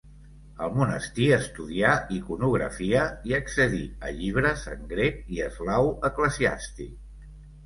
Al monestir estudià iconografia i accedí a llibres en grec i eslau eclesiàstic.